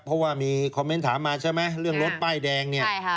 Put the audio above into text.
เพราะว่ามีคอมเมนต์ถามมาใช่ไหมเรื่องรถป้ายแดงเนี่ย